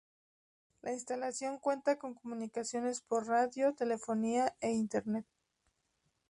La instalación cuenta con comunicaciones por radio, telefonía e Internet.